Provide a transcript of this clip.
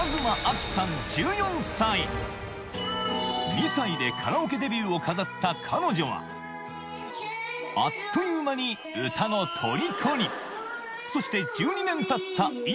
２歳でカラオケデビューを飾った彼女はあっという間にそして１２年たった今